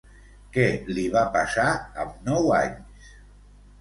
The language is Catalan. Què li va passar amb nou anys?